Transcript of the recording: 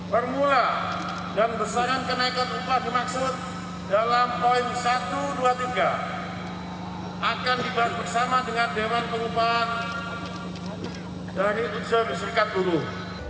permula dan besaran kenaikan upah dimaksud dalam poin satu dua tiga akan dibahas bersama dengan dewan pengupahan dari unsur serikat buruh